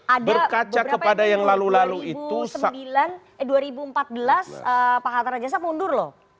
ada beberapa yang di tahun dua ribu empat belas pak hatta rajasa mundur loh